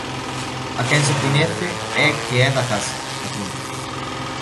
A quen se coñece é que é da casa, e punto.